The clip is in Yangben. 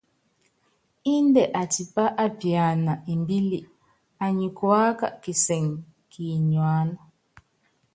Índɛ atipá apiana imbíli, anyi kuáka kisɛŋɛ kínyuána.